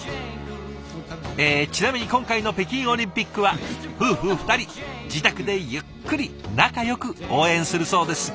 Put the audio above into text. えちなみに今回の北京オリンピックは夫婦２人自宅でゆっくり仲よく応援するそうです。